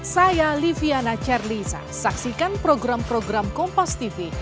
saya liviana cerlisa saksikan program program kompastv